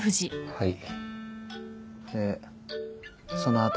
はい。